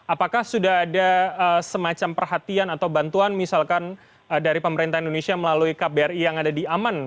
apakah sudah ada semacam perhatian atau bantuan misalkan dari pemerintah indonesia melalui kbri yang ada di aman